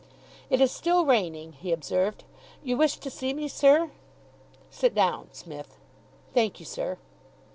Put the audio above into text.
"It is still raining," he observed. "You wished to see me, sir?" "Sit down, Smith." "Thank you, sir."